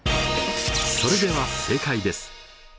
それでは正解です。